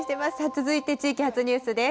続いて地域発ニュースです。